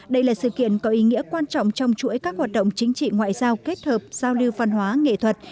đây là sự kiện có ý nghĩa quan trọng trong chuỗi các hoạt động chính trị ngoại giao kết hợp giao lưu văn hóa nghệ thuật